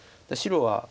白は。